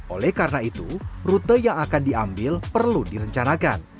oleh karena itu rute yang akan diambil perlu direncanakan